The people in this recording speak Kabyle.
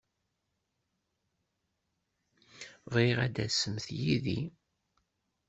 Bɣiɣ ad tasemt yid-i.